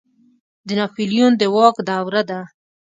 د ناپلیون د واک دوره ده.